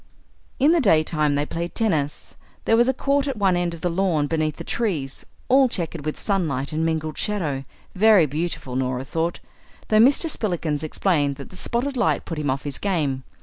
In the daytime they played tennis. There was a court at one end of the lawn beneath the trees, all chequered with sunlight and mingled shadow; very beautiful, Norah thought, though Mr. Spillikins explained that the spotted light put him off his game.